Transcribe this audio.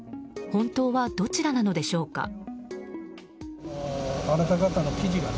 本当はどちらなのでしょうか。